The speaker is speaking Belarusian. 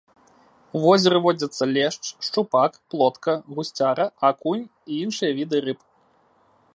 У возеры водзяцца лешч, шчупак, плотка, гусцяра, акунь і іншыя віды рыб.